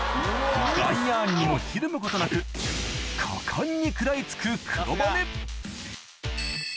ガイヤーンにもひるむことなく果敢に食らいつく黒羽根えっ。